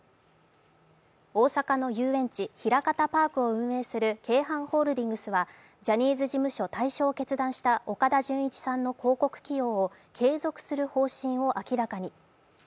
大阪の遊園地、ひらかたパークを運営する京阪ホールディングスはジャニーズ事務所対処を決断した岡田准一さんの広告起用を継続する方針を明らかに。